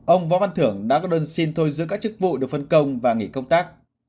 ông võ văn thưởng đã có đơn xin thôi giữ các chức vụ được phân công và nghỉ công tác